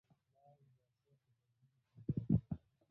پړانګ د اسیا په ځنګلونو کې زیات دی.